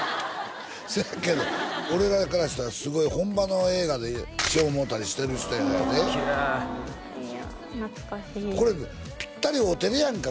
せやけど俺らからしたらすごい本場の映画で賞もろうたりしてる人やできれいいや懐かしいこれピッタリ合うてるやんか